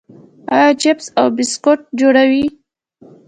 آیا چپس او بسکټ جوړوو؟